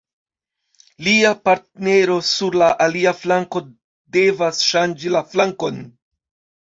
Lia partnero sur la alia flanko devas ŝanĝi la flankon.